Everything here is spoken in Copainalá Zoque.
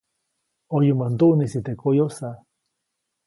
ʼOyumäjt nduʼnisi teʼ koyosa.